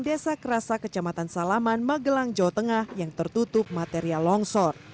desa kerasa kecamatan salaman magelang jawa tengah yang tertutup material longsor